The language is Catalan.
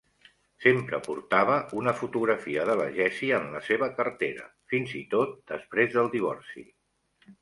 Sempre portava una fotografia de la Jessie en la seva cartera, fins i tot després del divorci.